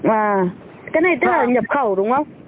à cái này tức là nhập khẩu đúng không